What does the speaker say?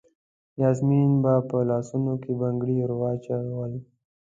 یاسمین به په لاسونو کې بنګړي وراچول.